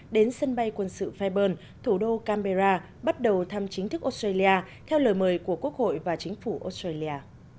đến sân bay quân sự fiburn thủ đô canberra bắt đầu thăm chính thức australia theo lời mời của quốc hội và chính phủ australia